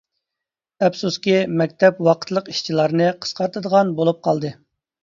ئەپسۇسكى، مەكتەپ ۋاقىتلىق ئىشچىلارنى قىسقارتىدىغان بولۇپ قالدى.